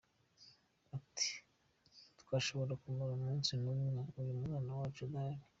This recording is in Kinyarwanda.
Ati “Ntitwashobora kumara umunsi n’umwe uyu mwana wacu adahari.